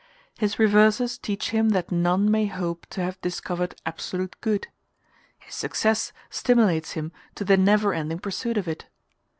His reverses teach him that none may hope to have discovered absolute good his success stimulates him to the never ending pursuit of it.